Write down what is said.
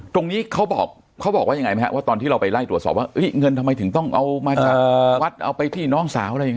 ตรงนี้เขาบอกว่าอยากยังไงมั๊ฮะค่ะว่าตอนที่เล่าไปไล่ตรวจสอบว่าเออเงินทำไมต้องเอามาชากวัดเอาไปที่น้องสาวอะไรอย่างไง